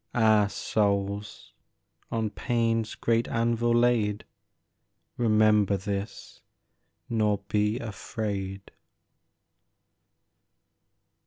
Ah souls, on pain's great anvil laid, Remember this, nor be afraid